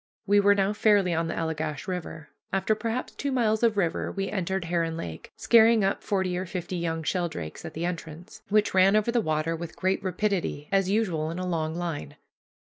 We were now fairly on the Allegash River. After perhaps two miles of river we entered Heron Lake, scaring up forty or fifty young sheldrakes, at the entrance, which ran over the water with great rapidity, as usual in a long line.